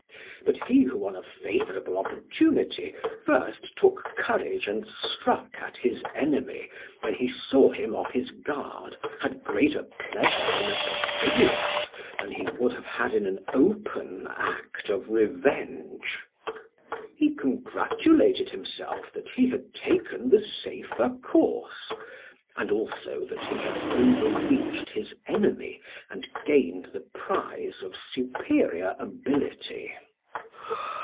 But he who on a favourable opportunity first took courage and struck at his enemy when he saw him off his guard, had greater pleasure in a perfidious than he would have had in an open act of revenge; he congratulated himself that he had taken the safer course, and also that he had overreached his enemy and gained the prize of superior ability.